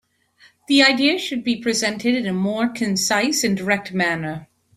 The ideas should be presented in a more concise and direct manner.